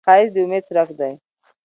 ښایست د امید څرک دی